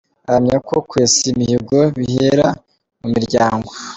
Ahamya ko kwesa imihigo bihera mu miryango.